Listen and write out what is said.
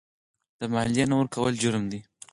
د مالیې نه ورکول جرم دی.